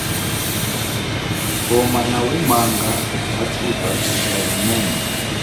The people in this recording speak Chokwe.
Homa nawema hathuka zuza linene.